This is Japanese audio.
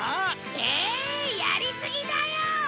ええ！やりすぎだよ！